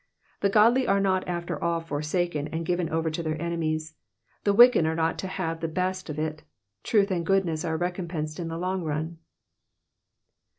The godly are not after all forsaken and given over to their enemies ; the wicked ore not to have the best of it, truth and goodness are recompensed in the long run.